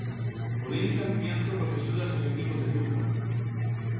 Polémica en Vimianzo coas axudas aos equipos de fútbol.